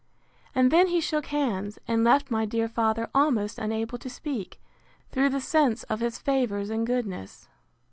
And then he shook hands, and left my dear father almost unable to speak, through the sense of his favours and goodness.